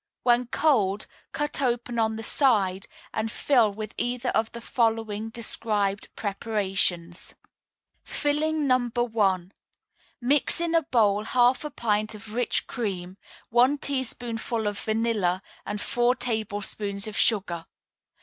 When cold, cut open on the side, and fill with either of the following described preparations: FILLING NO. 1. Mix in a bowl half a pint of rich cream, one teaspoonful of vanilla, and four tablespoonfuls of sugar.